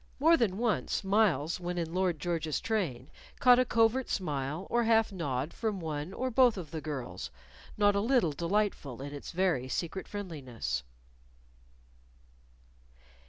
More than once Myles, when in Lord George's train, caught a covert smile or half nod from one or both of the girls, not a little delightful in its very secret friendliness.